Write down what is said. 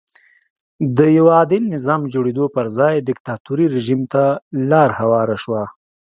د یوه عادل نظام جوړېدو پر ځای دیکتاتوري رژیم ته لار هواره شوه.